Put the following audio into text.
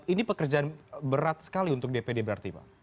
ini pekerjaan berat sekali untuk dpd berarti pak